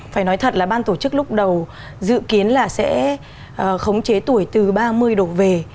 phải nói thật là ban tổ chức lúc đầu dự kiến là sẽ khống chế tuổi từ ba mươi độ về